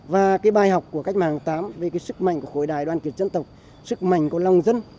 và cái bài học của cách mạng tháng tám về cái sức mạnh của khối đài đoàn kiệt dân tộc sức mạnh của lòng dân